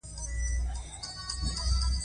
د ژبې په ساتلو کې مرسته کوله.